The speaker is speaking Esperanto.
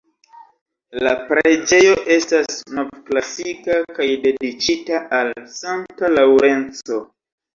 La preĝejo estas novklasika kaj dediĉita al Santa Laŭrenco.